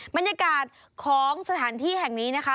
บรรยากาศของสถานที่แห่งนี้นะคะ